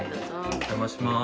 お邪魔します。